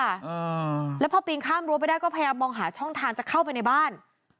อ่าแล้วพอปีนข้ามรั้วไปได้ก็พยายามมองหาช่องทางจะเข้าไปในบ้าน